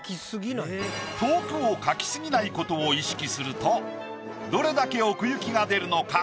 遠くを描きすぎないことを意識するとどれだけ奥行きが出るのか？